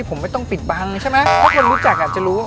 พอรู้จักอ่ะจะรู้